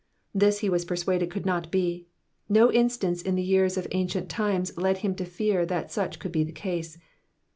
This he was persuaded could not be. No instance in the years of ancient times led him to fear that such could be the case.